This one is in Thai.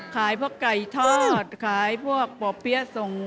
ขายพวกไก่ทอดขายพวกป่อเพี้ยส่ง